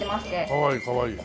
かわいいかわいい。